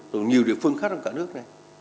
rồi nhiều địa phương khác trong cả nước này